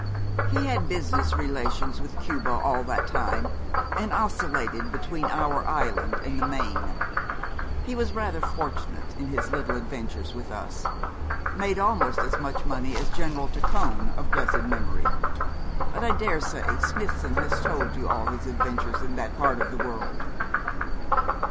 'He had business relations with Cuba all that time, and oscillated between our island and the main. He was rather fortunate in his little adventures with us made almost as much money as General Tacon, of blessed memory. But I dare say Smithson has told you all his adventures in that part of the world.'